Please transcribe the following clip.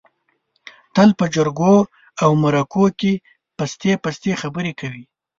تل په جرگو او مرکو کې پستې پستې خبرې کوي.